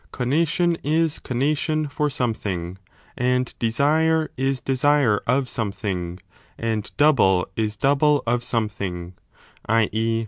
conation is conation for some thing, and desire is desire of something, and double is 5 double of something, i. e.